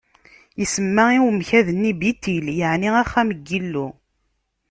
Isemma i umkad-nni Bitil, yeɛni Axxam n Yillu.